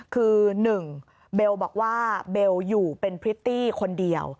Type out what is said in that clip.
คือ๑เบลบอกว่าเบลอยู่เป็นพริตตี้คนเดียว